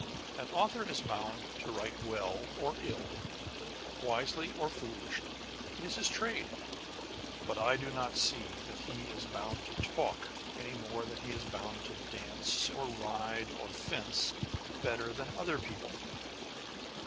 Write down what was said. AN author is bound to write â€" well or illj wisely or foolishly : it is his trade. But I do not see that he is bound to talk, any more than he is bound to dance, or ride, or fence better than other people.